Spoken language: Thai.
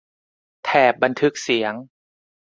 แถบบันทึกเสียง